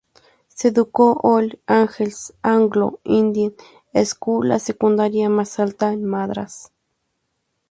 Se educó en Holy Angels Anglo Indian School la secundaria más alta en Madras.